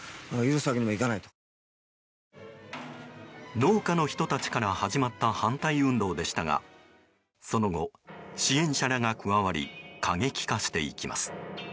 農家の人たちから始まった反対運動でしたがその後、支援者らが加わり過激化していきます。